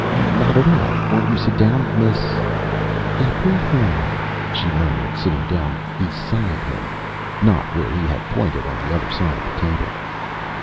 "Not at all. Won't you sit down, Miss " "April Horn," she murmured, sitting down beside him, not where he had pointed on the other side of the table.